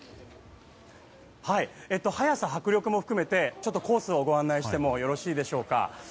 速さ、迫力も含めてコースをご案内してもよろしいでしょうか。